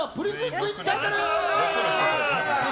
クイズチャンネル！